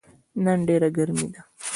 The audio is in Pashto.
نن ډیره ګرمې ده